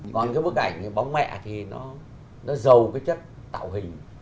còn cái bức ảnh bóng mẹ thì nó giàu cái chất tạo hình